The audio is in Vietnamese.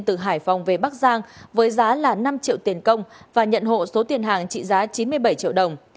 từ hải phòng về bắc giang với giá là năm triệu tiền công và nhận hộ số tiền hàng trị giá chín mươi bảy triệu đồng